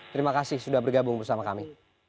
terima kasih sudah bergabung bersama kami